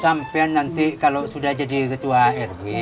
sampai nanti kalau sudah jadi ketua rw